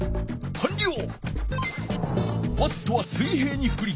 かんりょう！